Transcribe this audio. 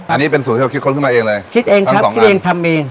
อันนี้เป็นสูตรที่เราคิดค้นขึ้นมาเองเลยคิดเองคิดเองทำเอง